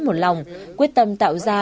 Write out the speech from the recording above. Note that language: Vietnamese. một lòng quyết tâm tạo ra